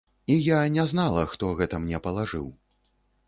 Я і не знала, хто гэта мне палажыў.